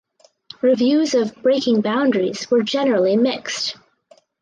Reviews of "Breaking Boundaries" were generally mixed.